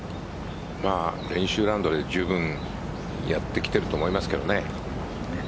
練習ラウンドで十分やってきていると思いますけどね。